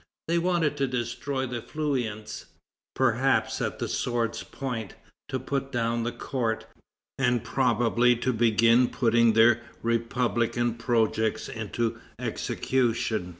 They wanted to destroy the Feuillants, perhaps at the sword's point, to put down the court, and probably to begin putting their republican projects into execution.